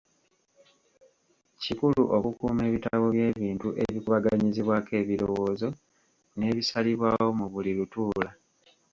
Kikulu okukuuma ebitabo by’ebintu ebikubaganyizibwako ebiroowoozo n’ebisalibwawo mu buli lutuula.